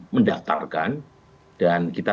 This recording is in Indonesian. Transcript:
mendaftarkan dan kita